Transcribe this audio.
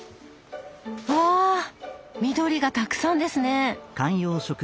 わ緑がたくさんですね！